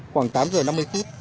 khoảng tám giờ năm mươi phút